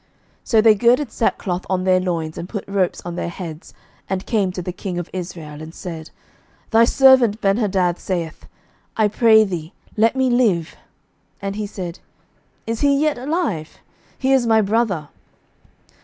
11:020:032 So they girded sackcloth on their loins, and put ropes on their heads, and came to the king of Israel, and said, Thy servant Benhadad saith, I pray thee, let me live. And he said, Is he yet alive? he is my brother.